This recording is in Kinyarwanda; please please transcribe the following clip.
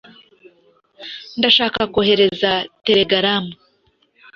Ndashaka kohereza telegaramu.